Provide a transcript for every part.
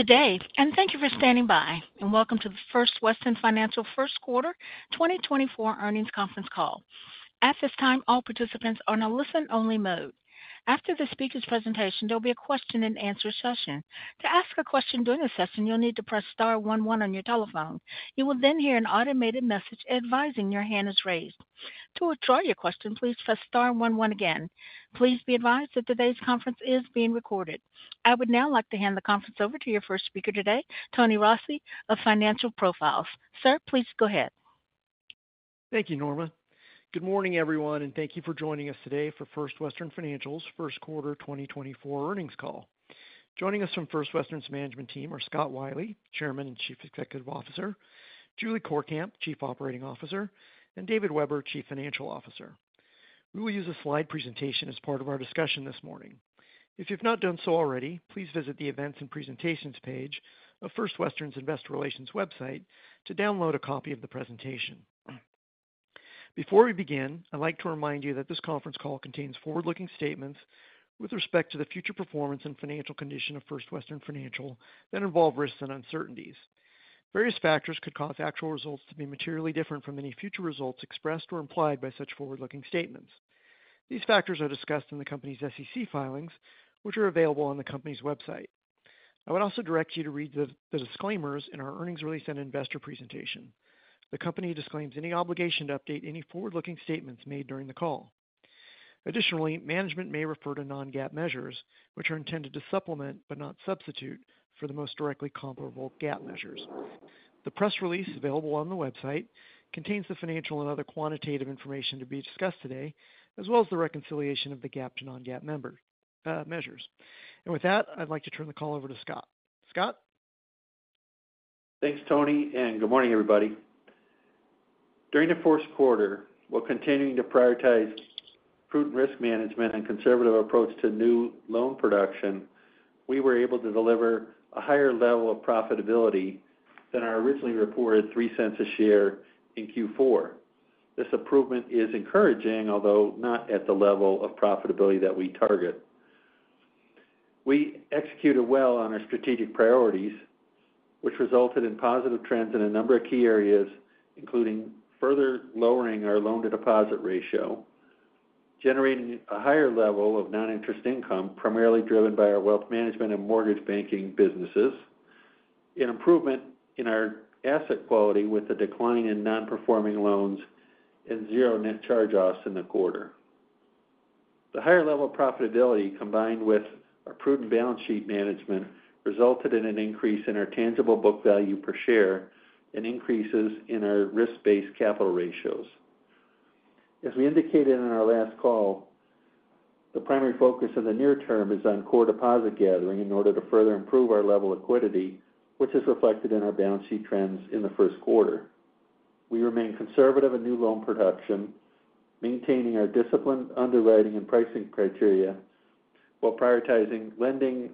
Good day, and thank you for standing by, and welcome to the First Western Financial First Quarter 2024 Earnings Conference Call. At this time, all participants are in a listen-only mode. After the speaker's presentation, there'll be a question-and-answer session. To ask a question during the session, you'll need to press star one one on your telephone. You will then hear an automated message advising your hand is raised. To withdraw your question, please press star one one again. Please be advised that today's conference is being recorded. I would now like to hand the conference over to your first speaker today, Tony Rossi of Financial Profiles. Sir, please go ahead. Thank you, Norma. Good morning, everyone, and thank you for joining us today for First Western Financial's First Quarter 2024 Earnings Call. Joining us from First Western's management team are Scott Wylie, Chairman and Chief Executive Officer, Julie Courkamp, Chief Operating Officer, and David Weber, Chief Financial Officer. We will use a slide presentation as part of our discussion this morning. If you've not done so already, please visit the Events and Presentations page of First Western's Investor Relations website to download a copy of the presentation. Before we begin, I'd like to remind you that this conference call contains forward-looking statements with respect to the future performance and financial condition of First Western Financial that involve risks and uncertainties. Various factors could cause actual results to be materially different from any future results expressed or implied by such forward-looking statements. These factors are discussed in the company's SEC filings, which are available on the company's website. I would also direct you to read the disclaimers in our earnings release and investor presentation. The company disclaims any obligation to update any forward-looking statements made during the call. Additionally, management may refer to non-GAAP measures, which are intended to supplement, but not substitute, for the most directly comparable GAAP measures. The press release available on the website contains the financial and other quantitative information to be discussed today, as well as the reconciliation of the GAAP to non-GAAP measures. And with that, I'd like to turn the call over to Scott. Scott? Thanks, Tony, and good morning, everybody. During the first quarter, while continuing to prioritize prudent risk management and conservative approach to new loan production, we were able to deliver a higher level of profitability than our originally reported $0.03 a share in Q4. This improvement is encouraging, although not at the level of profitability that we target. We executed well on our strategic priorities, which resulted in positive trends in a number of key areas, including further lowering our loan-to-deposit ratio, generating a higher level of non-interest income, primarily driven by our Wealth Management and Mortgage Banking businesses, an improvement in our asset quality with a decline in non-performing loans and zero net charge-offs in the quarter. The higher level of profitability, combined with our prudent balance sheet management, resulted in an increase in our tangible book value per share and increases in our risk-based capital ratios. As we indicated in our last call, the primary focus of the near term is on core deposit gathering in order to further improve our level of liquidity, which is reflected in our balance sheet trends in the first quarter. We remain conservative in new loan production, maintaining our disciplined underwriting and pricing criteria while prioritizing lending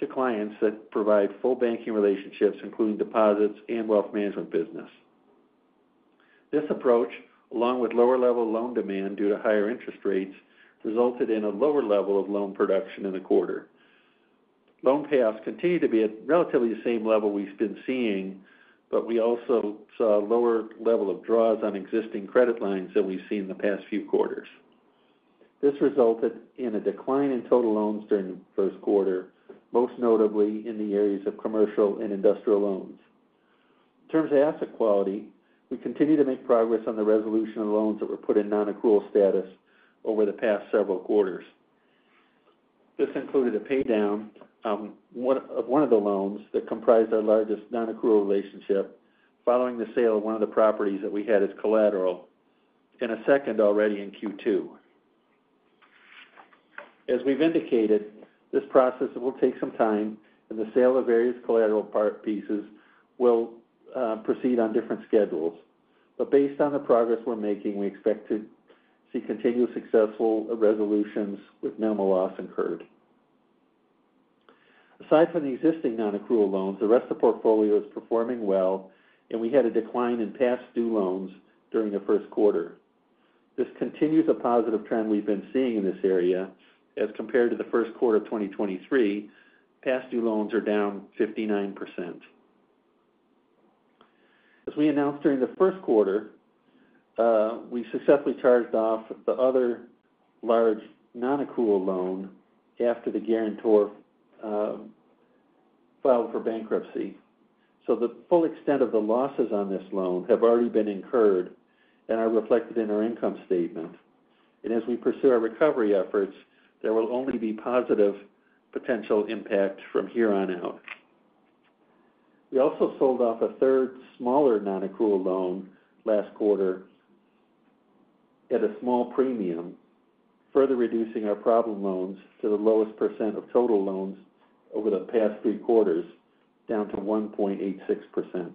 to clients that provide full banking relationships, including deposits and Wealth Management business. This approach, along with lower level loan demand due to higher interest rates, resulted in a lower level of loan production in the quarter. Loan payoffs continue to be at relatively the same level we've been seeing, but we also saw a lower level of draws on existing credit lines than we've seen in the past few quarters. This resulted in a decline in total loans during the first quarter, most notably in the areas of Commercial and Industrial loans. In terms of asset quality, we continue to make progress on the resolution of loans that were put in non-accrual status over the past several quarters. This included a paydown of one of the loans that comprised our largest non-accrual relationship, following the sale of one of the properties that we had as collateral, and a second already in Q2. As we've indicated, this process will take some time, and the sale of various collateral pieces will proceed on different schedules. But based on the progress we're making, we expect to see continued successful resolutions with minimal loss incurred. Aside from the existing non-accrual loans, the rest of the portfolio is performing well, and we had a decline in past due loans during the first quarter. This continues a positive trend we've been seeing in this area. As compared to the first quarter of 2023, past due loans are down 59%. As we announced during the first quarter, we successfully charged off the other large nonaccrual loan after the guarantor filed for bankruptcy. So the full extent of the losses on this loan have already been incurred and are reflected in our income statement. And as we pursue our recovery efforts, there will only be positive potential impact from here on out. We also sold off a third smaller nonaccrual loan last quarter at a small premium, further reducing our problem loans to the lowest percent of total loans over the past three quarters, down to 1.86%.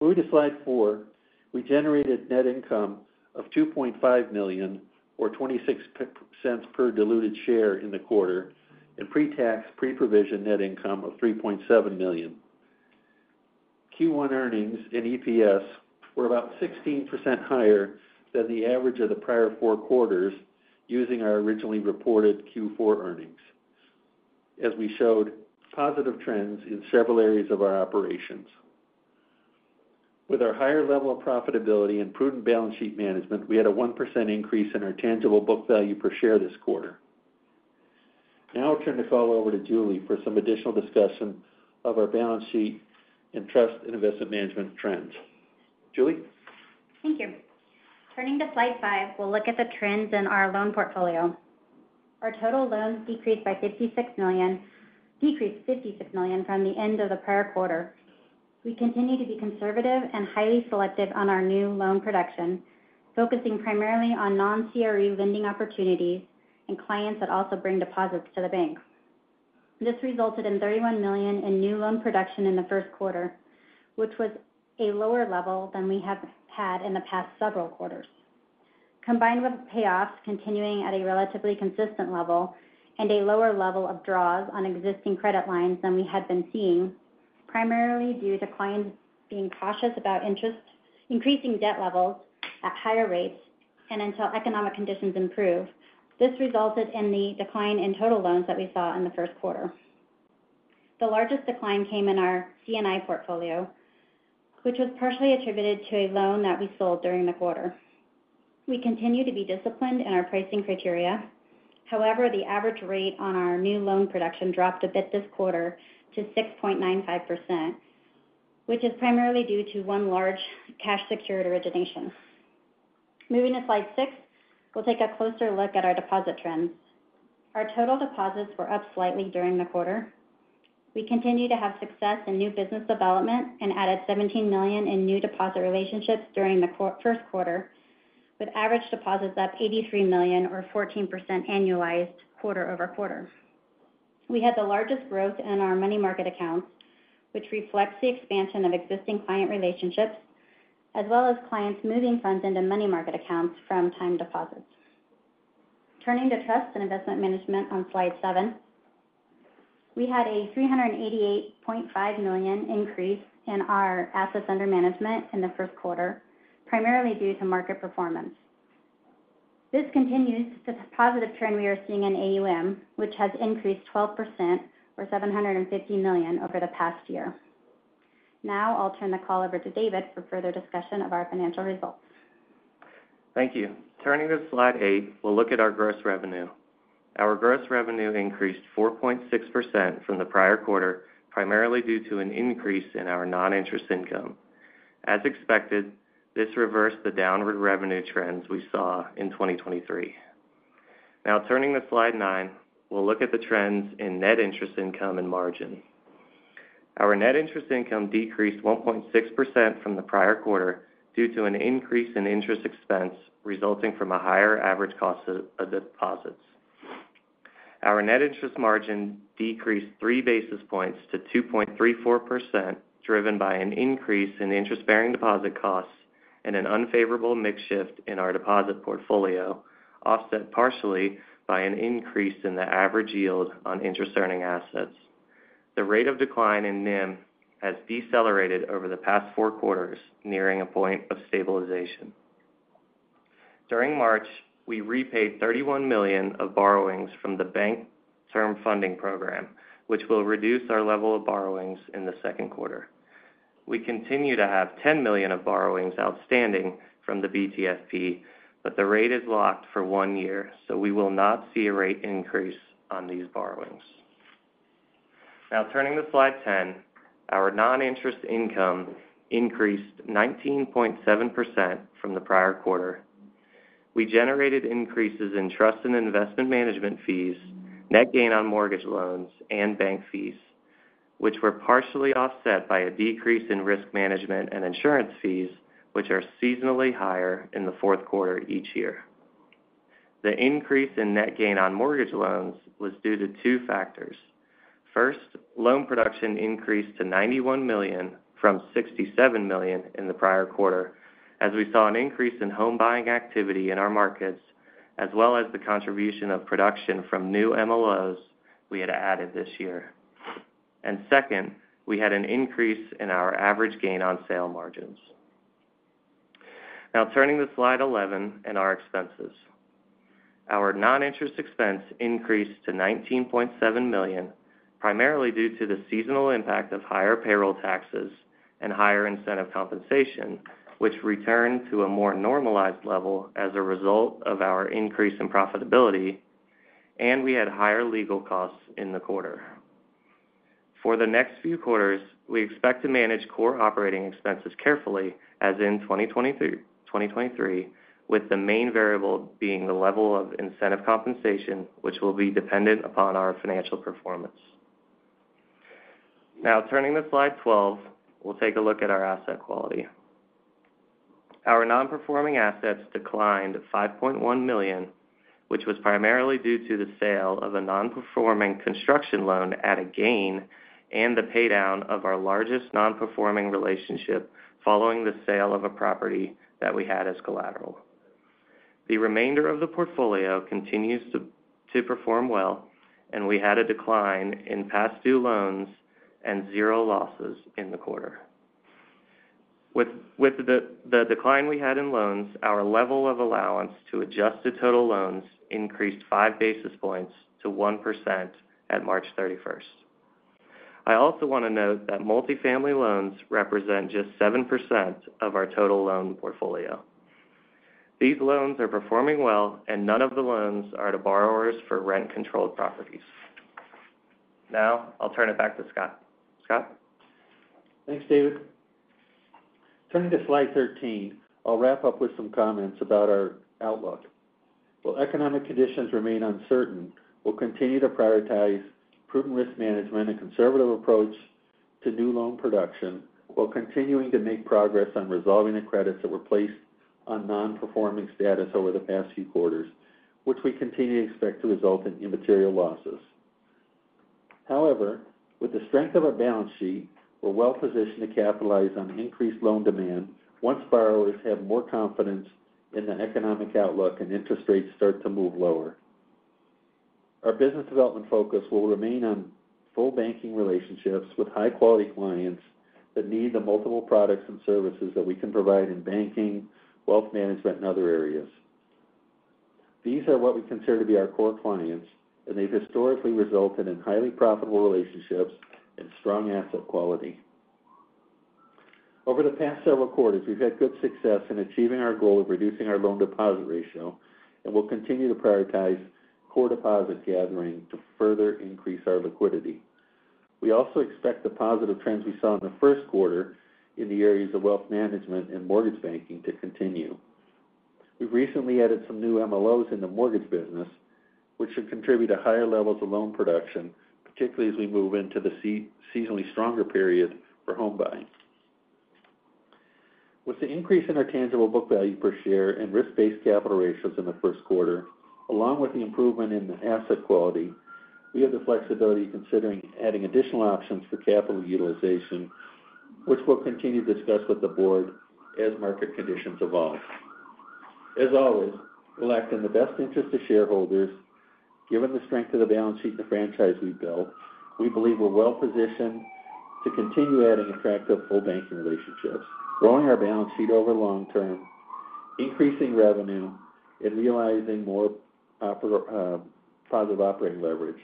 Moving to slide four, we generated net income of $2.5 million, or $0.26 per diluted share in the quarter, and pre-tax, pre-provision net income of $3.7 million. Q1 earnings and EPS were about 16% higher than the average of the prior four quarters using our originally reported Q4 earnings, as we showed positive trends in several areas of our operations. With our higher level of profitability and prudent balance sheet management, we had a 1% increase in our tangible book value per share this quarter. Now I'll turn the call over to Julie for some additional discussion of our balance sheet and Trust and Investment Management trends. Julie? Thank you. Turning to slide five, we'll look at the trends in our loan portfolio. Our total loans decreased $56 million from the end of the prior quarter. We continue to be conservative and highly selective on our new loan production, focusing primarily on non-CRE lending opportunities and clients that also bring deposits to the bank. This resulted in $31 million in new loan production in the first quarter, which was a lower level than we have had in the past several quarters. Combined with payoffs continuing at a relatively consistent level and a lower level of draws on existing credit lines than we had been seeing, primarily due to clients being cautious about interest, increasing debt levels at higher rates, and until economic conditions improve, this resulted in the decline in total loans that we saw in the first quarter. The largest decline came in our C&I portfolio, which was partially attributed to a loan that we sold during the quarter. We continue to be disciplined in our pricing criteria. However, the average rate on our new loan production dropped a bit this quarter to 6.95%, which is primarily due to one large cash-secured origination. Moving to slide six, we'll take a closer look at our Deposit trends. Our total deposits were up slightly during the quarter. We continue to have success in new business development and added $17 million in new deposit relationships during the first quarter, with average deposits up $83 million or 14% annualized quarter-over-quarter. We had the largest growth in our money market accounts, which reflects the expansion of existing client relationships, as well as clients moving funds into money market accounts from time deposits. Turning to Trust and Investment Management on slide seven, we had a $388.5 million increase in our assets under management in the first quarter, primarily due to market performance. This continues the positive trend we are seeing in AUM, which has increased 12% or $750 million over the past year. Now I'll turn the call over to David for further discussion of our financial results. Thank you. Turning to slide eight, we'll look at our gross revenue. Our gross revenue increased 4.6% from the prior quarter, primarily due to an increase in our non-interest income. As expected, this reversed the downward revenue trends we saw in 2023. Now, turning to slide nine, we'll look at the trends in net interest income and margin. Our net interest income decreased 1.6% from the prior quarter due to an increase in interest expense resulting from a higher average cost of deposits. Our net interest margin decreased 3 basis points to 2.34%, driven by an increase in interest-bearing deposit costs and an unfavorable mix shift in our deposit portfolio, offset partially by an increase in the average yield on interest-earning assets. The rate of decline in NIM has decelerated over the past four quarters, nearing a point of stabilization. During March, we repaid $31 million of borrowings from the Bank Term Funding Program, which will reduce our level of borrowings in the second quarter. We continue to have $10 million of borrowings outstanding from the BTFP, but the rate is locked for one year, so we will not see a rate increase on these borrowings. Now, turning to slide 10, our non-interest income increased 19.7% from the prior quarter. We generated increases in Trust and Investment Management fees, net gain on mortgage loans, and bank fees, which were partially offset by a decrease in Risk Management and Insurance fees, which are seasonally higher in the fourth quarter each year. The increase in net gain on mortgage loans was due to two factors. First, loan production increased to $91 million from $67 million in the prior quarter, as we saw an increase in home buying activity in our markets, as well as the contribution of production from new MLOs we had added this year. Second, we had an increase in our average gain on sale margins. Now turning to slide 11 and our expenses. Our non-interest expense increased to $19.7 million, primarily due to the seasonal impact of higher payroll taxes and higher incentive compensation, which returned to a more normalized level as a result of our increase in profitability, and we had higher legal costs in the quarter. For the next few quarters, we expect to manage core operating expenses carefully, as in 2023, 2023, with the main variable being the level of incentive compensation, which will be dependent upon our financial performance. Now, turning to slide 12, we'll take a look at our asset quality. Our non-performing assets declined to $5.1 million, which was primarily due to the sale of a non-performing construction loan at a gain and the paydown of our largest non-performing relationship following the sale of a property that we had as collateral. The remainder of the portfolio continues to perform well, and we had a decline in past due loans and zero losses in the quarter. With the decline we had in loans, our level of allowance to adjusted total loans increased 5 basis points to 1% at March 31. I also want to note that multifamily loans represent just 7% of our total loan portfolio. These loans are performing well, and none of the loans are to borrowers for rent-controlled properties. Now, I'll turn it back to Scott. Scott? Thanks, David. Turning to slide 13, I'll wrap up with some comments about our outlook. While economic conditions remain uncertain, we'll continue to prioritize prudent risk management and conservative approach to new loan production, while continuing to make progress on resolving the credits that were placed on nonperforming status over the past few quarters, which we continue to expect to result in immaterial losses. However, with the strength of our balance sheet, we're well positioned to capitalize on increased loan demand once borrowers have more confidence in the economic outlook and interest rates start to move lower. Our business development focus will remain on full banking relationships with high-quality clients that need the multiple products and services that we can provide in banking, wealth management, and other areas. These are what we consider to be our core clients, and they've historically resulted in highly profitable relationships and strong asset quality. Over the past several quarters, we've had good success in achieving our goal of reducing our loan-to-deposit ratio, and we'll continue to prioritize core deposit gathering to further increase our liquidity. We also expect the positive trends we saw in the first quarter in the areas of Wealth Management and Mortgage Banking to continue. We've recently added some new MLOs in the mortgage business, which should contribute to higher levels of loan production, particularly as we move into the seasonally stronger period for home buying. With the increase in our tangible book value per share and risk-based capital ratios in the first quarter, along with the improvement in the asset quality, we have the flexibility considering adding additional options for capital utilization, which we'll continue to discuss with the board as market conditions evolve. As always, we'll act in the best interest of shareholders. Given the strength of the balance sheet and the franchise we've built, we believe we're well positioned to continue adding attractive full banking relationships, growing our balance sheet over long term, increasing revenue, and realizing more positive operating leverage,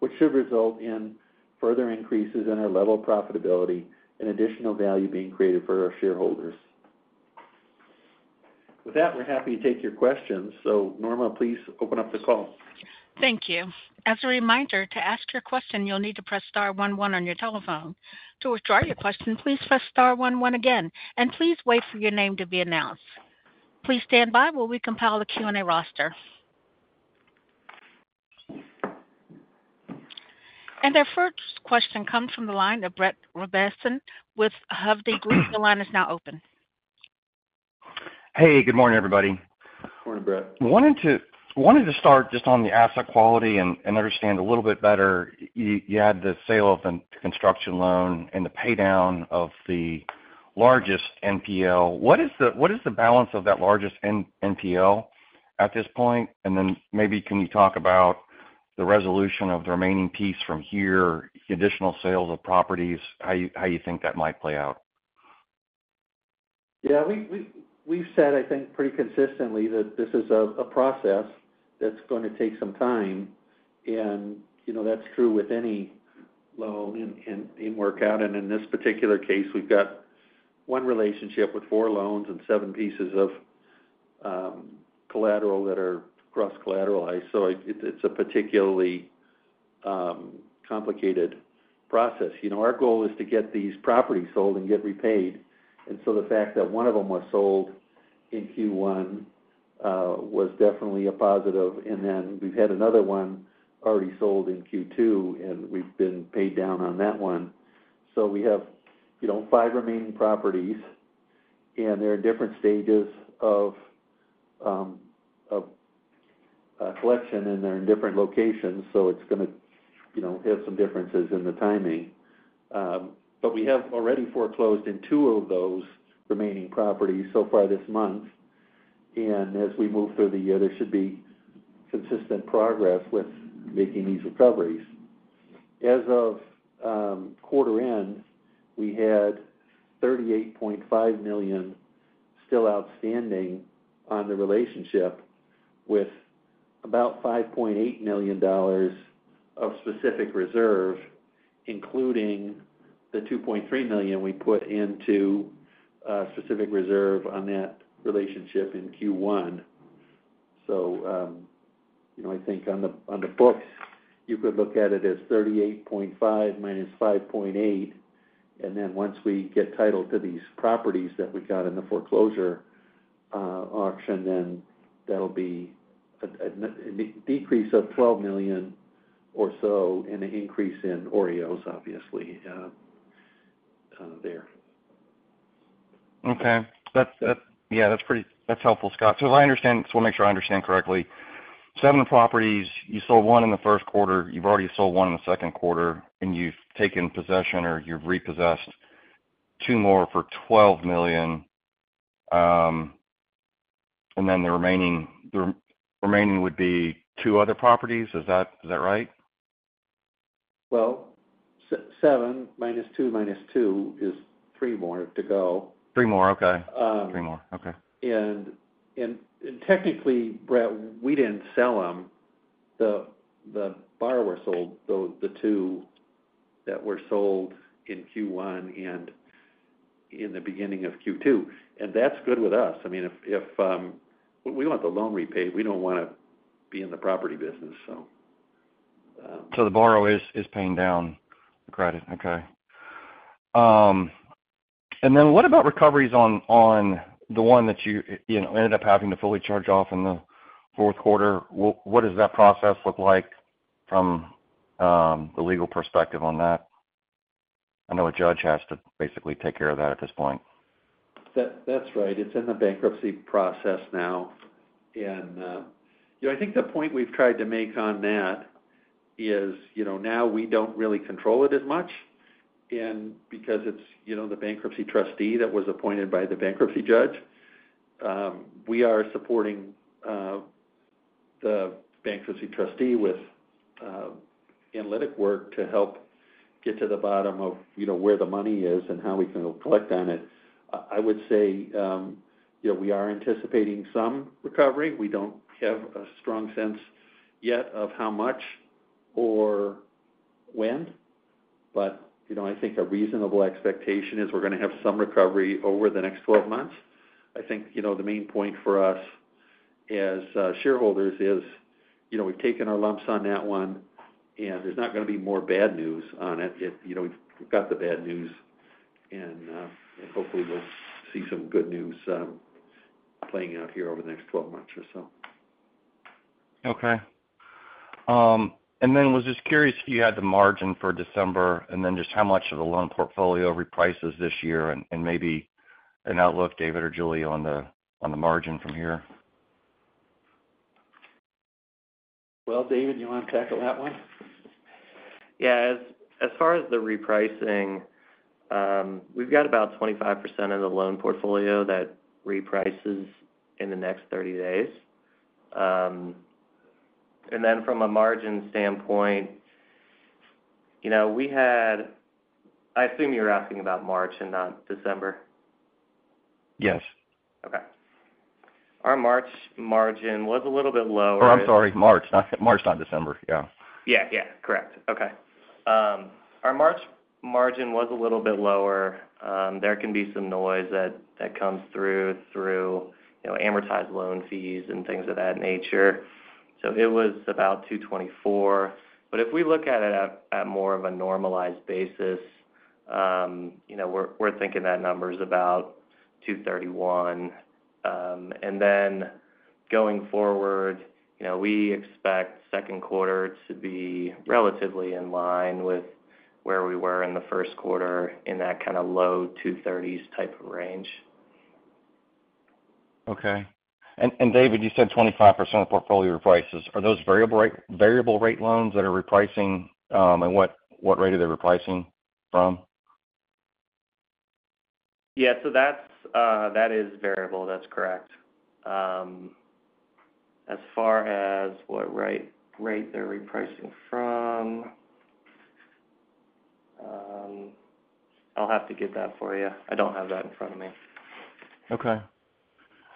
which should result in further increases in our level of profitability and additional value being created for our shareholders. With that, we're happy to take your questions. So Norma, please open up the call. Thank you. As a reminder, to ask your question, you'll need to press star one one on your telephone. To withdraw your question, please press star one one again, and please wait for your name to be announced. Please stand by while we compile the Q&A roster. Our first question comes from the line of Brett Rabatin with Hovde Group. Your line is now open. Hey, good morning, everybody. Morning, Brett. Wanted to start just on the asset quality and understand a little bit better. You had the sale of the construction loan and the paydown of the largest NPL. What is the balance of that largest NPL at this point? And then maybe can you talk about the resolution of the remaining piece from here, additional sales of properties, how you think that might play out? Yeah, we've said, I think, pretty consistently, that this is a process that's going to take some time, and, you know, that's true with any loan in workout. And in this particular case, we've got one relationship with four loans and seven pieces of collateral that are cross-collateralized. So it's a particularly complicated process. You know, our goal is to get these properties sold and get repaid. And so the fact that one of them was sold in Q1 was definitely a positive. And then we've had another one already sold in Q2, and we've been paid down on that one. So we have, you know, five remaining properties, and they're in different stages of collection, and they're in different locations, so it's gonna, you know, have some differences in the timing. But we have already foreclosed in two of those remaining properties so far this month. And as we move through the year, there should be consistent progress with making these recoveries. As of quarter end, we had $38.5 million still outstanding on the relationship, with about $5.8 million of specific reserve, including the $2.3 million we put into a specific reserve on that relationship in Q1. So, you know, I think on the books, you could look at it as 38.5 minus 5.8, and then once we get title to these properties that we got in the foreclosure auction, then that'll be a decrease of $12 million or so and an increase in OREO, obviously, there. Okay. That's pretty helpful, Scott. So as I understand, just want to make sure I understand correctly, seven properties, you sold one in the first quarter, you've already sold one in the second quarter, and you've taken possession or you've repossessed two more for $12 million, and then the remaining would be two other properties. Is that right? Well, 7 - 2 - 2 is 3 more to go. Three more, okay. Technically, Brett, we didn't sell them. The borrower sold those, the two that were sold in Q1 and in the beginning of Q2, and that's good with us. I mean, if we want the loan repaid, we don't want to be in the property business, so. So the borrower is paying down the credit. Okay. And then what about recoveries on the one that you know ended up having to fully charge off in the fourth quarter? What does that process look like from the legal perspective on that? I know a judge has to basically take care of that at this point. That's right. It's in the bankruptcy process now. And, you know, I think the point we've tried to make on that is, you know, now we don't really control it as much, and because it's, you know, the bankruptcy trustee that was appointed by the bankruptcy judge. We are supporting the bankruptcy trustee with analytic work to help get to the bottom of, you know, where the money is and how we can collect on it. I would say, you know, we are anticipating some recovery. We don't have a strong sense yet of how much or when, but, you know, I think a reasonable expectation is we're gonna have some recovery over the next 12 months. I think, you know, the main point for us as shareholders is, you know, we've taken our lumps on that one, and there's not gonna be more bad news on it. It, you know, we've got the bad news, and hopefully we'll see some good news playing out here over the next 12 months or so. Okay. And then was just curious if you had the margin for December, and then just how much of the loan portfolio reprices this year and maybe an outlook, David or Julie on the margin from here? Well, David, you want to tackle that one? Yeah. As far as the repricing, we've got about 25% of the loan portfolio that reprices in the next 30 days. And then from a margin standpoint, you know, I assume you're asking about March and not December? Yes. Okay. Our March margin was a little bit lower. Oh, I'm sorry, March. Not March, not December, yeah. Yeah, yeah. Correct. Okay. Our March margin was a little bit lower. There can be some noise that comes through, you know, amortized loan fees and things of that nature. So it was about 2.24%, but if we look at it at more of a normalized basis, you know, we're thinking that number's about 2.31%. And then going forward, you know, we expect second quarter to be relatively in line with where we were in the first quarter, in that kind of low 2.30s type of range. Okay. And, David, you said 25% of the portfolio reprices. Are those variable rate loans that are repricing? And what rate are they repricing from? Yeah. So that's, that is variable, that's correct. As far as what rate they're repricing from, I'll have to get that for you. I don't have that in front of me. Okay.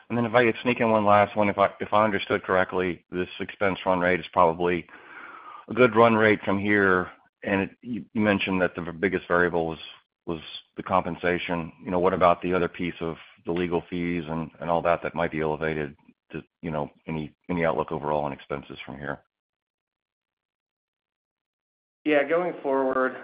And then if I could sneak in one last one. If I understood correctly, this expense run rate is probably a good run rate from here, and you mentioned that the biggest variable was the compensation. You know, what about the other piece of the legal fees and all that might be elevated to, you know, any outlook overall on expenses from here? Yeah. Going forward,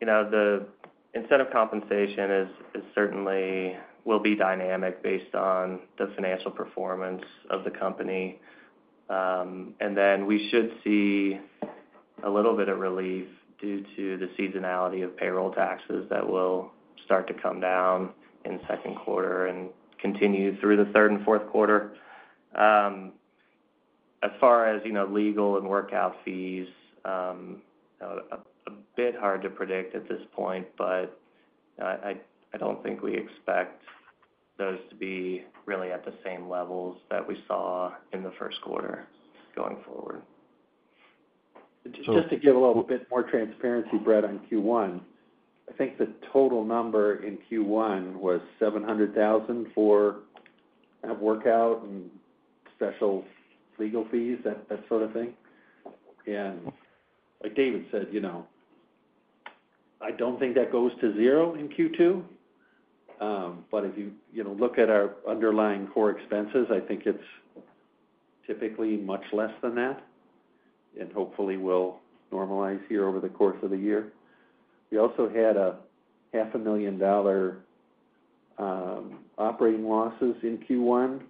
you know, the incentive compensation is certainly will be dynamic based on the financial performance of the company. And then we should see a little bit of relief due to the seasonality of payroll taxes that will start to come down in the second quarter and continue through the third and fourth quarter. As far as, you know, legal and workout fees, you know, a bit hard to predict at this point, but I don't think we expect those to be really at the same levels that we saw in the first quarter going forward. Just to give a little bit more transparency, Brett, on Q1. I think the total number in Q1 was $700,000 for kind of workout and special legal fees, that, that sort of thing. And like David said, you know, I don't think that goes to zero in Q2. But if you know, look at our underlying core expenses, I think it's typically much less than that, and hopefully will normalize here over the course of the year. We also had a $500,000 operating losses in Q1,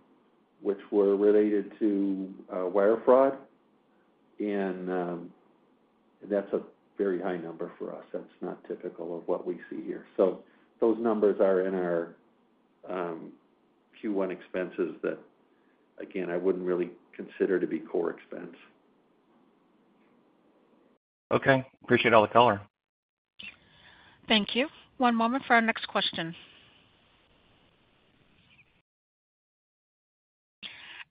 which were related to wire fraud. And that's a very high number for us. That's not typical of what we see here. So those numbers are in our Q1 expenses that, again, I wouldn't really consider to be core expense. Okay. Appreciate all the color. Thank you. One moment for our next question.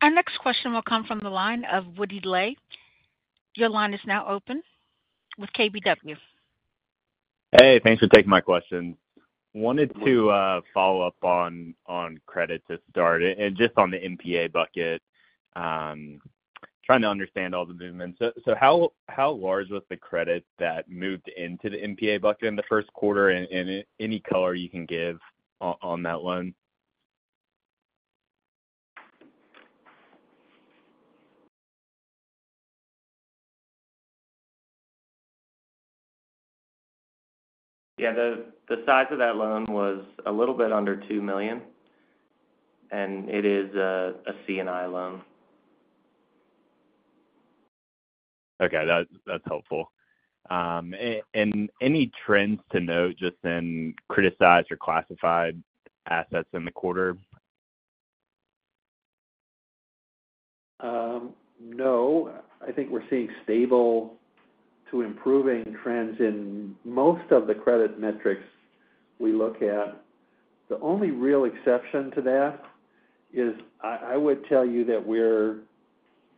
Our next question will come from the line of Woody Lay. Your line is now open with KBW. Hey, thanks for taking my question. Wanted to follow up on credit to start and just on the NPA bucket, trying to understand all the movements. So how large was the credit that moved into the NPA bucket in the first quarter, and any color you can give on that loan? Yeah, the size of that loan was a little bit under $2 million, and it is a C&I loan. Okay, that's helpful. Any trends to note just in criticized or classified assets in the quarter? No. I think we're seeing stable to improving trends in most of the credit metrics we look at. The only real exception to that is I would tell you that we're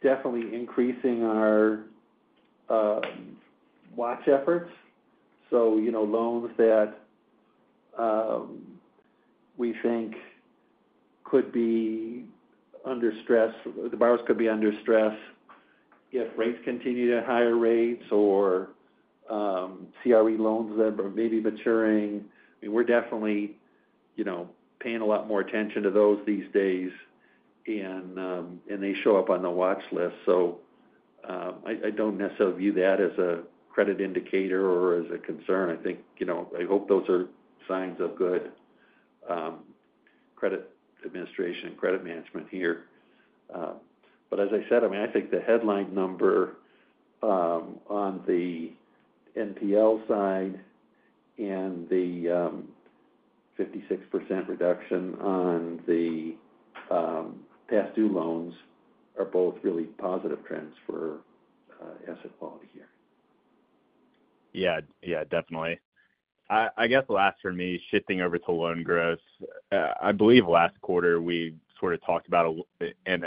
definitely increasing our watch efforts. So, you know, loans that we think could be under stress, the borrowers could be under stress if rates continue to higher rates or CRE loans that are maybe maturing. We're definitely, you know, paying a lot more attention to those these days, and they show up on the watch list. So, I don't necessarily view that as a credit indicator or as a concern. I think, you know, I hope those are signs of good credit administration and credit management here. But as I said, I mean, I think the headline number on the NPL side and the 56% reduction on the past due loans are both really positive trends for asset quality here. Yeah. Yeah, definitely. I guess last for me, shifting over to loan growth. I believe last quarter, we sort of talked about an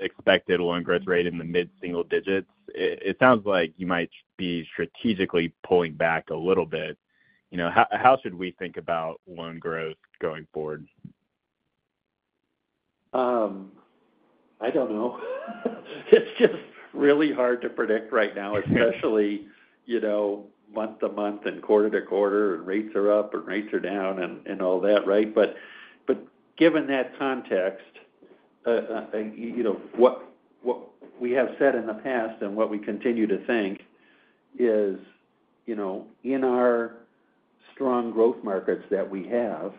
expected loan growth rate in the mid-single digits. It sounds like you might be strategically pulling back a little bit. You know, how should we think about loan growth going forward? I don't know. It's just really hard to predict right now, especially, you know, month-to-month and quarter-to-quarter, and rates are up or rates are down and, and all that, right? But, given that context, you know, what we have said in the past and what we continue to think is, you know, in our strong growth markets that we have,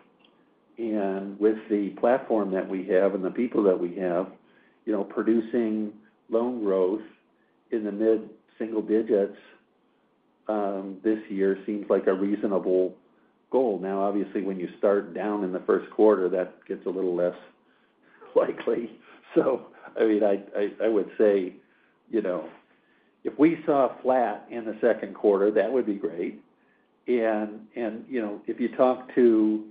and with the platform that we have and the people that we have, you know, producing loan growth in the mid-single digits, this year seems like a reasonable goal. Now, obviously, when you start down in the first quarter, that gets a little less likely. So, I mean, I would say, you know, if we saw flat in the second quarter, that would be great. You know, if you talk to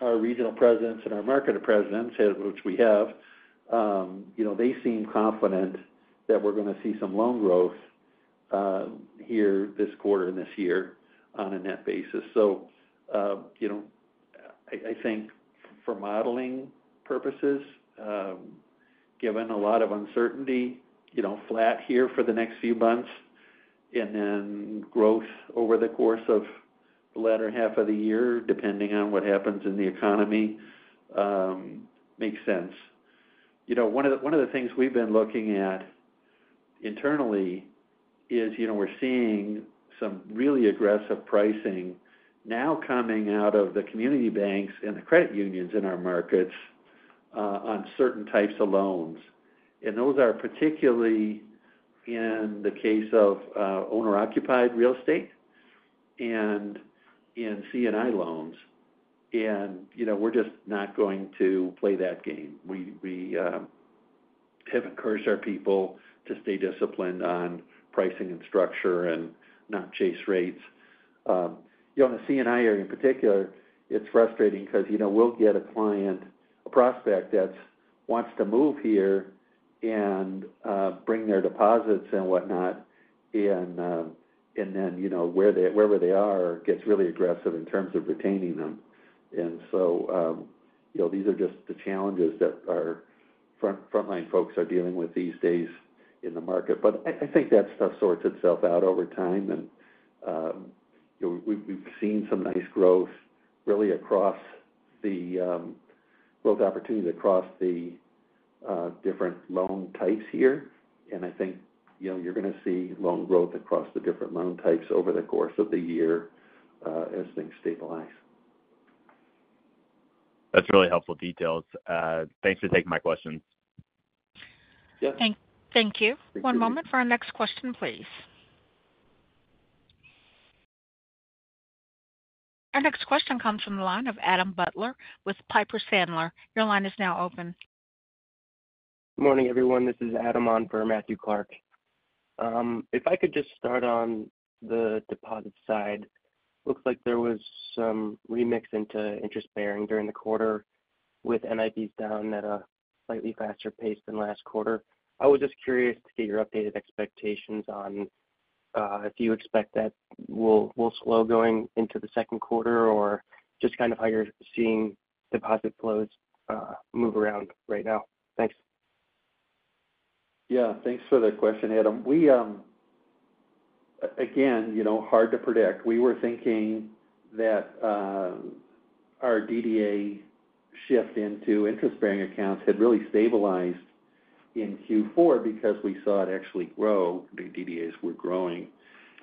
our Regional Presidents and our Market Presidents, which we have, you know, they seem confident that we're gonna see some loan growth here this quarter and this year on a net basis. So, you know, I think for modeling purposes, given a lot of uncertainty, you know, flat here for the next few months, and then growth over the course of the latter half of the year, depending on what happens in the economy, makes sense. You know, one of the things we've been looking at internally is, you know, we're seeing some really aggressive pricing now coming out of the community banks and the credit unions in our markets on certain types of loans. And those are particularly in the case of owner-occupied real estate and in C&I loans. You know, we're just not going to play that game. We have encouraged our people to stay disciplined on pricing and structure and not chase rates. You know, on the C&I area in particular, it's frustrating because, you know, we'll get a client, a prospect that wants to move here and bring their deposits and whatnot, and then, you know, wherever they are, gets really aggressive in terms of retaining them. And so, you know, these are just the challenges that our frontline folks are dealing with these days in the market. But I think that stuff sorts itself out over time, and, you know, we've seen some nice growth really across the growth opportunities across the different loan types here. I think, you know, you're gonna see loan growth across the different loan types over the course of the year as things stabilize. That's really helpful details. Thanks for taking my questions. Yep. Thank you. One moment for our next question, please. Our next question comes from the line of Adam Butler with Piper Sandler. Your line is now open. Good morning, everyone. This is Adam on for Matthew Clark. If I could just start on the deposit side. Looks like there was some remix into interest bearing during the quarter with NIBs down at a slightly faster pace than last quarter. I was just curious to get your updated expectations on if you expect that will slow going into the second quarter or just kind of how you're seeing deposit flows move around right now. Thanks. Yeah, thanks for the question, Adam. We, again, you know, hard to predict. We were thinking that, our DDA shift into interest-bearing accounts had really stabilized in Q4 because we saw it actually grow. The DDAs were growing.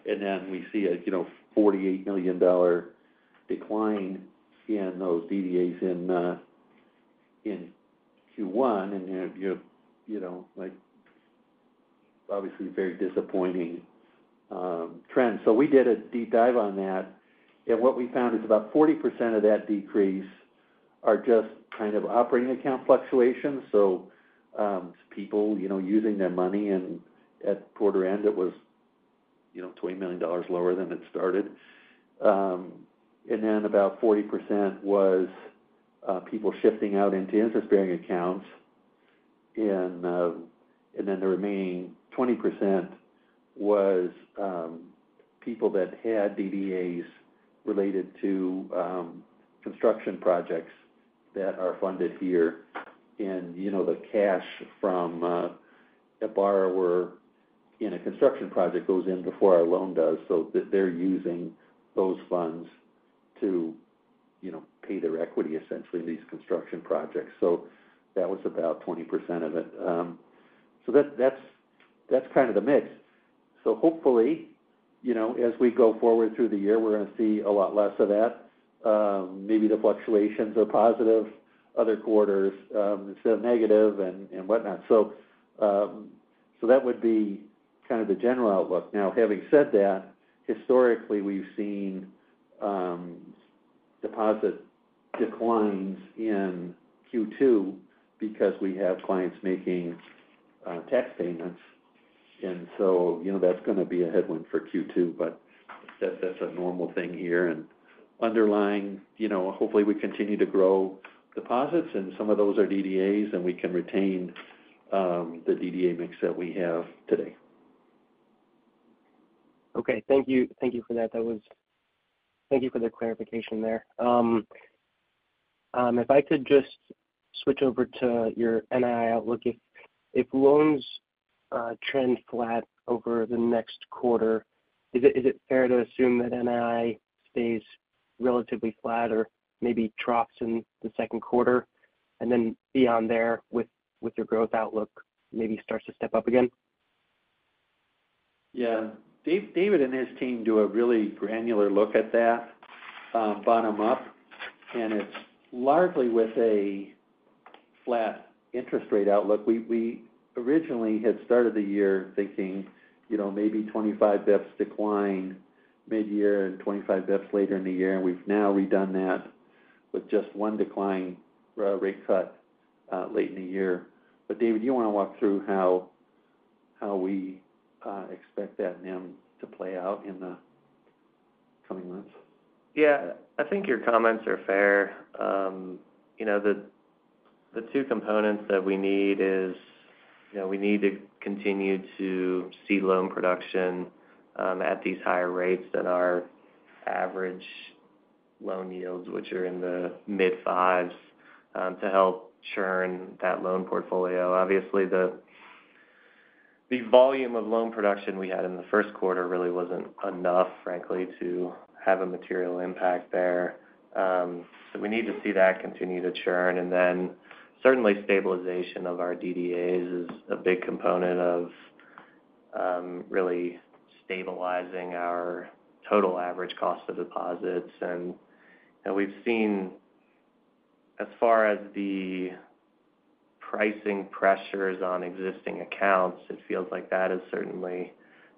And then we see a, you know, $48 million decline in those DDAs in Q1. And you have, you know, like, obviously very disappointing trend. So we did a deep dive on that, and what we found is about 40% of that decrease are just kind of operating account fluctuations. So, people, you know, using their money and at quarter end, it was, you know, $20 million lower than it started. And then about 40% was people shifting out into interest-bearing accounts. And then the remaining 20% was people that had DDAs related to construction projects that are funded here. And, you know, the cash from a borrower in a construction project goes in before our loan does, so they're using those funds to, you know, pay their equity, essentially, these construction projects. So that was about 20% of it. So that's kind of the mix. So hopefully, you know, as we go forward through the year, we're going to see a lot less of that. Maybe the fluctuations are positive other quarters instead of negative and whatnot. So that would be kind of the general outlook. Now, having said that, historically, we've seen deposit declines in Q2 because we have clients making tax payments. And so, you know, that's gonna be a headwind for Q2, but that's a normal thing here. And underlying, you know, hopefully, we continue to grow deposits, and some of those are DDAs, and we can retain the DDA mix that we have today. Okay. Thank you. Thank you for that. Thank you for the clarification there. If I could just switch over to your NII outlook. If loans trend flat over the next quarter, is it fair to assume that NII stays relatively flat or maybe drops in the second quarter, and then beyond there, with your growth outlook, maybe starts to step up again? Yeah. David and his team do a really granular look at that, bottom up, and it's largely with a flat interest rate outlook. We originally had started the year thinking, you know, maybe 25 basis points decline mid-year and 25 basis points later in the year, and we've now redone that with just one decline rate cut late in the year. But David, do you want to walk through how we expect that NIM to play out in the coming months? Yeah. I think your comments are fair. You know, the two components that we need is, you know, we need to continue to see loan production at these higher rates than our average loan yields, which are in the mid-fives, to help churn that loan portfolio. Obviously, the volume of loan production we had in the first quarter really wasn't enough, frankly, to have a material impact there. So we need to see that continue to churn, and then certainly stabilization of our DDAs is a big component of really stabilizing our total average cost of deposits. And we've seen as far as the pricing pressures on existing accounts, it feels like that has certainly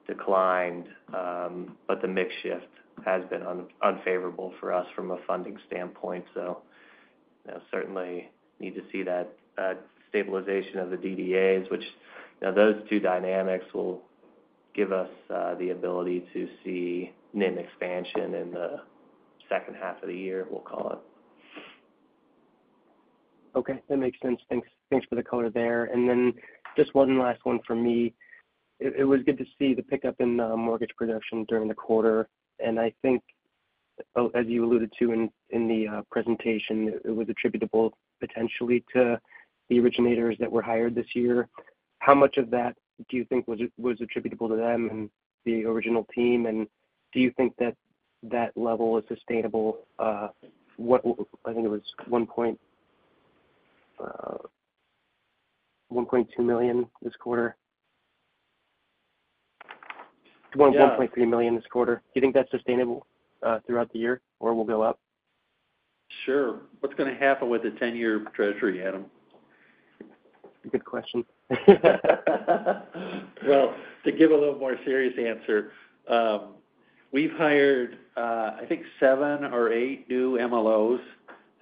declined, but the mix shift has been unfavorable for us from a funding standpoint. You know, certainly need to see that stabilization of the DDAs, which, you know, those two dynamics will give us the ability to see NIM expansion in the second half of the year, we'll call it. Okay, that makes sense. Thanks for the color there. And then just one last one for me. It was good to see the pickup in mortgage production during the quarter. And I think, as you alluded to in the presentation, it was attributable potentially to the originators that were hired this year. How much of that do you think was attributable to them and the original team? And do you think that that level is sustainable? I think it was $1.2 million this quarter. $1.3 million this quarter. Do you think that's sustainable, throughout the year or will go up? Sure. What's going to happen with the 10-year Treasury, Adam? Good question. Well, to give a little more serious answer, we've hired, I think seven or eight new MLOs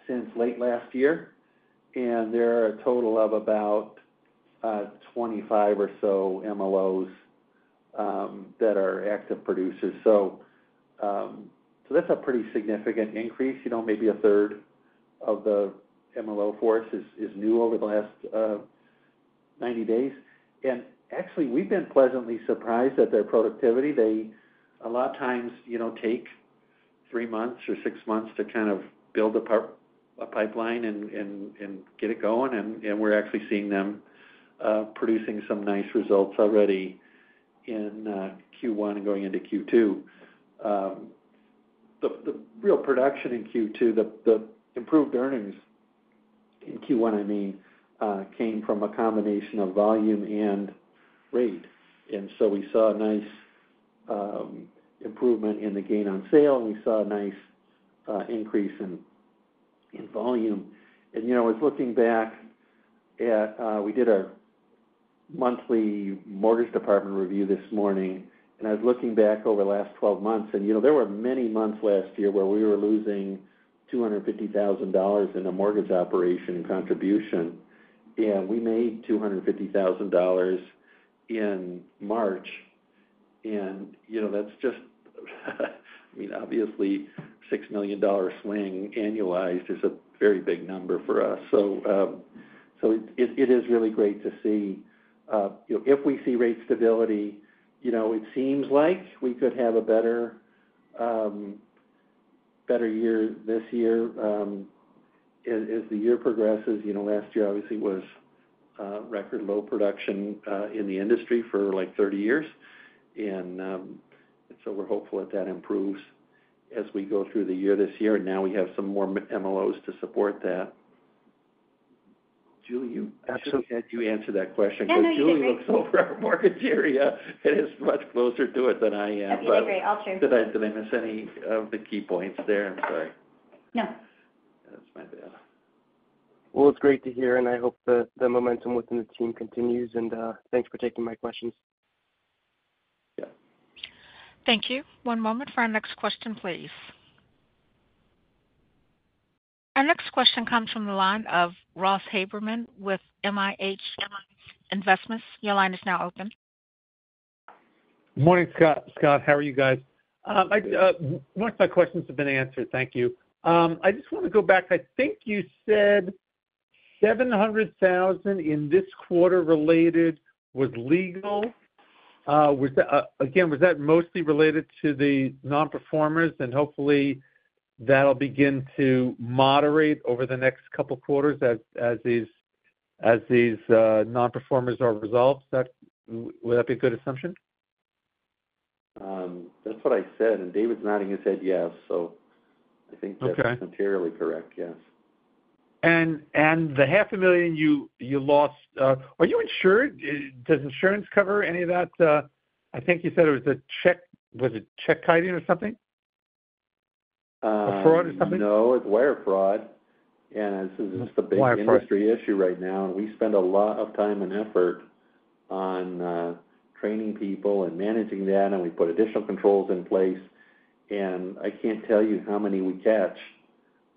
since late last year, and there are a total of about 25 or so MLOs that are active producers. So, that's a pretty significant increase. You know, maybe a third of the MLO force is new over the last 90 days. And actually, we've been pleasantly surprised at their productivity. They, a lot of times, you know, take three months or six months to kind of build a pipeline and get it going, and we're actually seeing them producing some nice results already in Q1 and going into Q2. The real production in Q2, the improved earnings in Q1, I mean, came from a combination of volume and rate. So we saw a nice improvement in the gain on sale, and we saw a nice increase in volume. You know, I was looking back at, we did a monthly mortgage department review this morning, and I was looking back over the last 12 months, you know, there were many months last year where we were losing $250,000 in the mortgage operation contribution. And we made $250,000 in March, and, you know, that's just, I mean, obviously, $6 million swing annualized is a very big number for us. So it is really great to see. You know, if we see rate stability, you know, it seems like we could have a better year this year, as the year progresses. You know, last year, obviously, was record low production in the industry for like, 30 years. And so we're hopeful that that improves as we go through this year, and now we have some more MLOs to support that. Julie, I should have had you answer that question. No, no, you did great. Because Julie looks over our mortgage area, and is much closer to it than I am. That's okay, great. I'll share. Did I miss any of the key points there? I'm sorry. No. That's my bad. Well, it's great to hear, and I hope the momentum within the team continues, and thanks for taking my questions. Yeah. Thank you. One moment for our next question, please. Our next question comes from the line of Ross Haberman with RLH Investments. Your line is now open. Morning, Scott. How are you guys? Most of my questions have been answered. Thank you. I just want to go back. I think you said $700,000 in this quarter related was legal. Was that, again, was that mostly related to the nonperformers, and hopefully that'll begin to moderate over the next couple quarters as these nonperformers are resolved? Would that be a good assumption? That's what I said, and David's nodding his head. Okay. I think that's materially correct, yes. And the $500,000 you lost, are you insured? Does insurance cover any of that? I think you said it was a check, was it check kiting or something? Fraud or something. No, it's wire fraud, and this is the big industry issue right now, and we spend a lot of time and effort on training people and managing that, and we put additional controls in place. And I can't tell you how many we catch,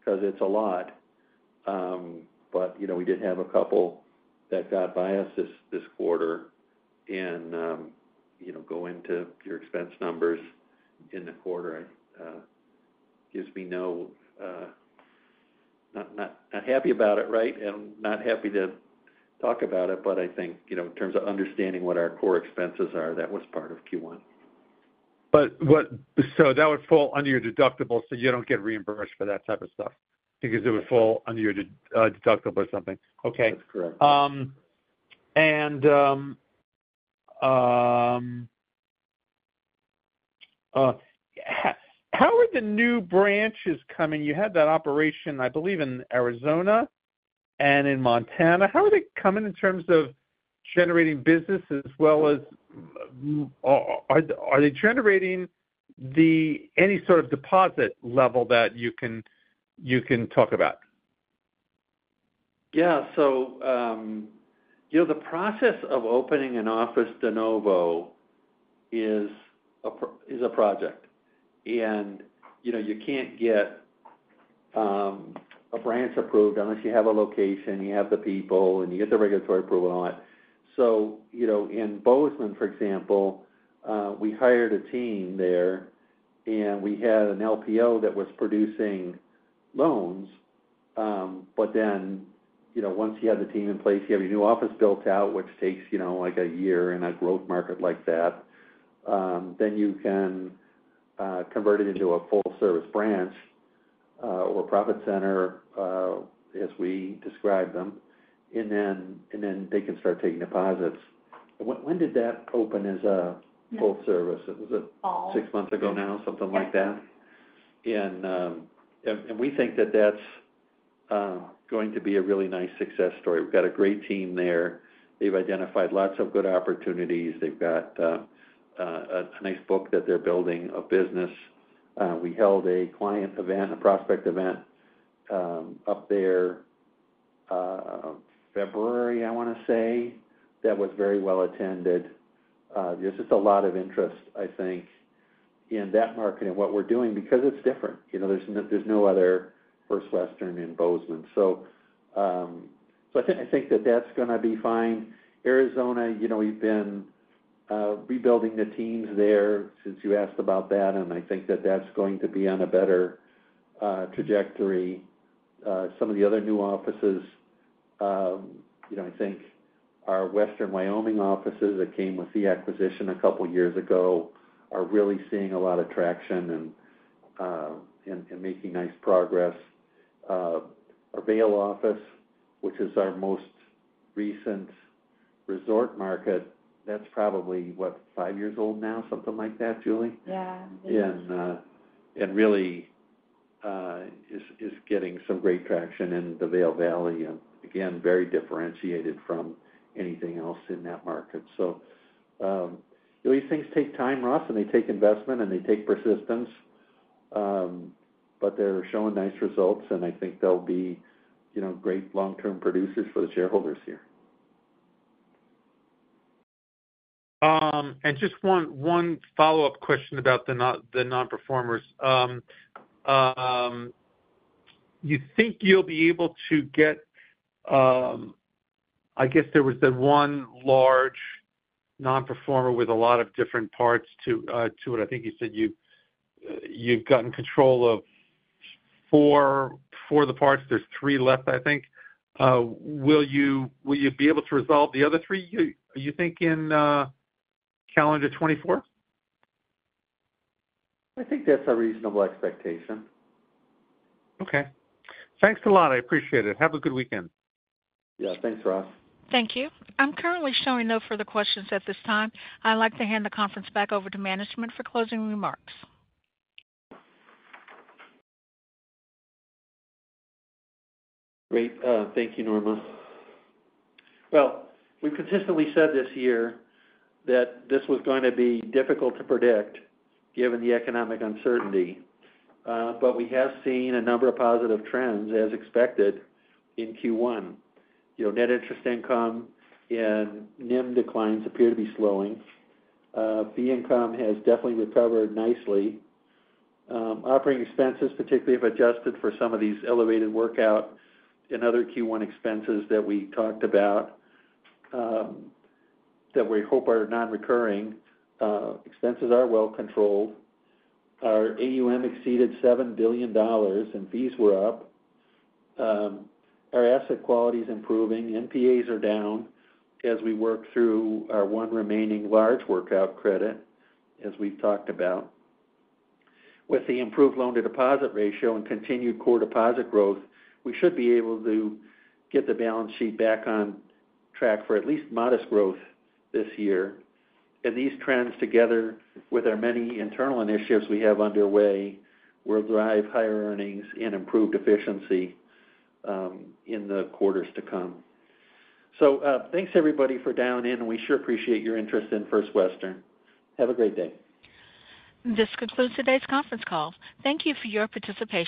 because it's a lot. But you know, we did have a couple that got by us this quarter and, you know, go into your expense numbers in the quarter. Gives me no, not happy about it, right? And not happy to talk about it, but I think, you know, in terms of understanding what our core expenses are, that was part of Q1. But what? So that would fall under your deductible, so you don't get reimbursed for that type of stuff? Because it would fall under your deductible or something. Okay. That's correct. How are the new branches coming? You had that operation, I believe, in Arizona and in Montana. How are they coming in terms of generating business as well as are they generating any sort of deposit level that you can talk about? Yeah. So, you know, the process of opening an office de novo is a project. And, you know, you can't get a branch approved unless you have a location, you have the people, and you get the regulatory approval on it. So, you know, in Bozeman, for example, we hired a team there, and we had an LPO that was producing loans. But then, you know, once you have the team in place, you have your new office built out, which takes, you know, like, a year in a growth market like that, then you can convert it into a full-service branch, or profit center, as we describe them, and then they can start taking deposits. When did that open as a full service? Fall. Was it six months ago now, something like that? We think that that's going to be a really nice success story. We've got a great team there. They've identified lots of good opportunities. They've got a nice book that they're building, a business. We held a client event, a prospect event, up there, February, I want to say. That was very well attended. There's just a lot of interest, I think, in that market and what we're doing because it's different. You know, there's no other First Western in Bozeman. So I think that that's going to be fine. Arizona, you know, we've been rebuilding the teams there since you asked about that, and I think that that's going to be on a better trajectory. Some of the other new offices, you know, I think our Western Wyoming offices that came with the acquisition a couple of years ago, are really seeing a lot of traction and making nice progress. Our Vail office, which is our most recent resort market, that's probably, what? Five years old now, something like that, Julie? Yeah. And really is getting some great traction in the Vail Valley, and again, very differentiated from anything else in that market. So, these things take time, Ross, and they take investment, and they take persistence, but they're showing nice results, and I think they'll be, you know, great long-term producers for the shareholders here. And just one follow-up question about the nonperformers. You think you'll be able to get. I guess there was the one large nonperformer with a lot of different parts to it. I think you said you've gotten control of four of the parts. There's three left, I think. Will you be able to resolve the other three, you think, in calendar 2024? I think that's a reasonable expectation. Okay. Thanks a lot. I appreciate it. Have a good weekend. Yeah. Thanks, Ross. Thank you. I'm currently showing no further questions at this time. I'd like to hand the conference back over to management for closing remarks. Great. Thank you, Norma. Well, we've consistently said this year that this was going to be difficult to predict, given the economic uncertainty. But we have seen a number of positive trends, as expected in Q1. You know, net interest income and NIM declines appear to be slowing. Fee income has definitely recovered nicely. Operating expenses, particularly if adjusted for some of these elevated workout and other Q1 expenses that we talked about, that we hope are nonrecurring. Expenses are well controlled. Our AUM exceeded $7 billion, and fees were up. Our asset quality is improving. NPAs are down as we work through our one remaining large workout credit, as we've talked about. With the improved loan-to-deposit ratio and continued core deposit growth, we should be able to get the balance sheet back on track for at least modest growth this year. These trends, together with our many internal initiatives we have underway, will drive higher earnings and improved efficiency in the quarters to come. Thanks, everybody, for dialing in, and we sure appreciate your interest in First Western. Have a great day. This concludes today's conference call. Thank you for your participation.